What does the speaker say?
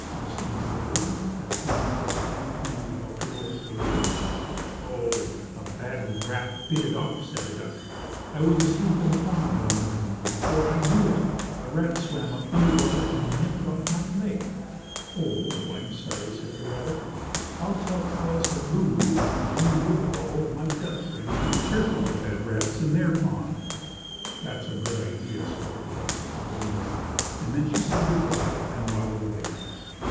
asked Uncle Wiggily, as he and the porcupine kindly helped her over the rails. "Oh, a bad rat bit it off," said the duck. "I was asleep in the pond one morning and before I knew it a rat swam up under water, and nipped off my leg." "Oh, I'm so sorry," said the rabbit. "I'll tell Alice and Lulu and Jimmie Wibblewobble, my duck friends, to be careful of bad rats in their pond." "That's a good idea," spoke the duck with the wooden leg, and then she said good by and waddled away.